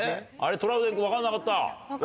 トラウデン君分かんなかった？